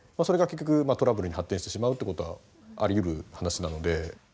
それが結局トラブルに発展してしまうということはありうる話なので。